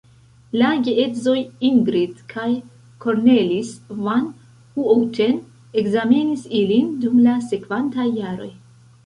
La geedzoj Ingrid kaj Cornelis van Houten ekzamenis ilin dum la sekvantaj jaroj.